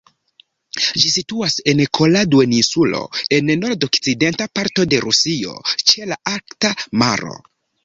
Ĝi situas en Kola duoninsulo, en nord-okcidenta parto de Rusio, ĉe la Arkta maro.